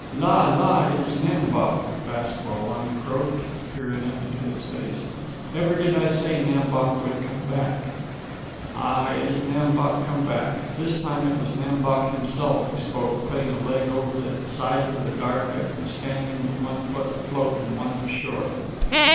"La, la, it is Nam Bok," Bask Wah Wan croaked, peering up into his face. "Ever did I say Nam Bok would come back." "Ay, it is Nam Bok come back." This time it was Nam Bok himself who spoke, putting a leg over the side of the bidarka and standing with one foot afloat and one ashore.